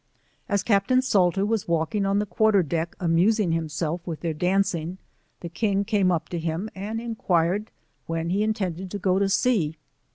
As Captain Sailer was walking on the quarter deck, amusing himself with their dancing, the king came up to him, and inquired when he intended to go to sea?